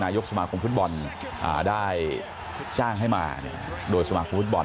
ยกสมาคมฟุตบอลได้จ้างให้มาโดยสมาคมฟุตบอล